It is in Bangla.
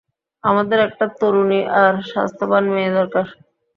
আমাদের একটা তরুণী আর স্বাস্থ্যবান মেয়ে দরকার।